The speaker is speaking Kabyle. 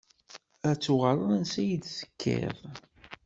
Ad tuɣaleḍ ansa i d-tekkiḍ.